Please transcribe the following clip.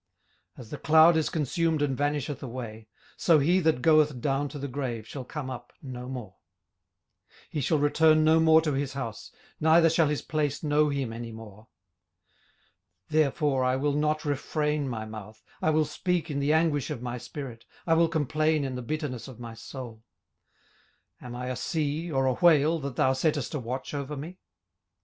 18:007:009 As the cloud is consumed and vanisheth away: so he that goeth down to the grave shall come up no more. 18:007:010 He shall return no more to his house, neither shall his place know him any more. 18:007:011 Therefore I will not refrain my mouth; I will speak in the anguish of my spirit; I will complain in the bitterness of my soul. 18:007:012 Am I a sea, or a whale, that thou settest a watch over me?